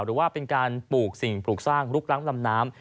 หรือว่าเป็นการปลูกสิ่งปลูกสร้างลุกล้ำลำน้ำ